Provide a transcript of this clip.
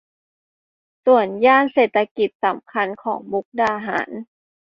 ส่วนย่านเศรษฐกิจสำคัญของมุกดาหาร